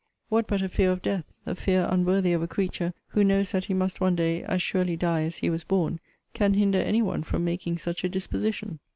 What but a fear of death, a fear unworthy of a creature who knows that he must one day as surely die as he was born, can hinder any one from making such a disposition?